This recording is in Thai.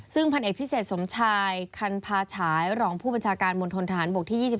ซึ่งพันเอกพิเศษสมชายคันพาฉายรองผู้บัญชาการมณฑนทหารบกที่๒๔